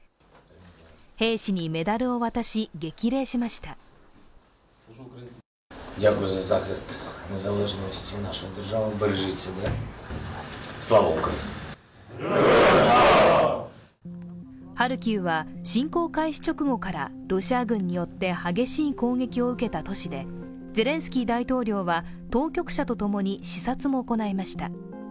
兵士にメダルを渡し、激励しましたハルキウは侵攻開始直後からロシア軍によって激しい攻撃を受けた都市でゼレンスキー大統領は当局者と共に視察も行いました。